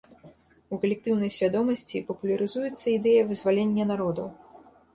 У калектыўнай свядомасці папулярызуецца ідэя вызвалення народаў.